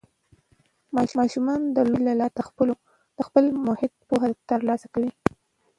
ماشومان د لوبو له لارې د خپل محیط پوهه ترلاسه کوي.